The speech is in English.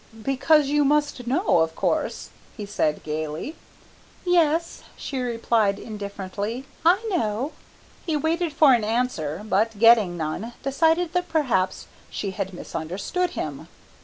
"Because you must know, of course," he said gaily. "Yes," she replied indifferently, "I know." He waited for an answer, but getting none, decided that perhaps she had misunderstood him.